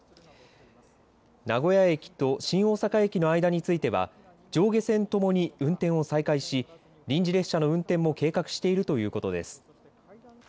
名古屋駅と新大阪駅の間については上下線ともに運転を再開し、臨時列車の運転も計画しているということです。